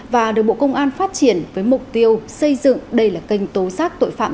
và được bộ công an phát triển với mục tiêu xây dựng đây là kênh tố giác tội phạm